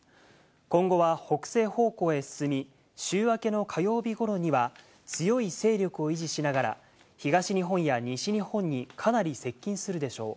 今後は北西方向へ進み、週明けの火曜日頃には強い勢力を維持しながら、東日本や西日本にかなり接近するでしょう。